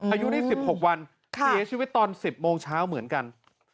อายุนี่๑๖วันเสียชีวิตตอน๑๐โมงเช้าเหมือนกัน